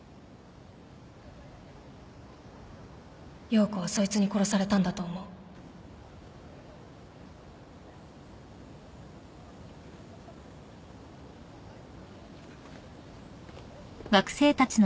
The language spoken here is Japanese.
葉子はそいつに殺されたんだと思ういっ。